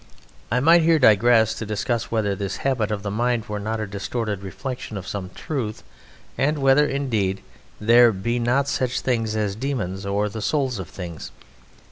I might here digress to discuss whether this habit of the mind were not a distorted reflection of some truth, and whether, indeed, there be not such beings as demons or the souls of things.